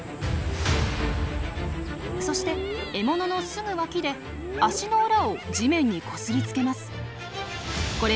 そして獲物のすぐ脇で足の裏を地面にこすりつけます。